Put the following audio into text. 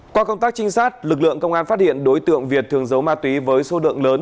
qua công tác trinh sát lực lượng công an phát hiện đối tượng việt thường giấu ma túy với số lượng lớn